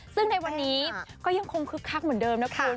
ซึ่งในวันนี้ก็ยังคงคึกคักเหมือนเดิมนะคุณ